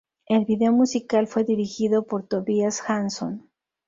El video musical fue dirigido por "Tobias Hansson".